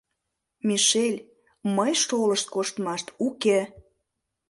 — Мишель, мый шолышт коштмаш уке!